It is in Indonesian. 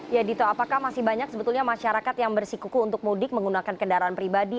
ya dito apakah masih banyak sebetulnya masyarakat yang bersikuku untuk mudik menggunakan kendaraan pribadi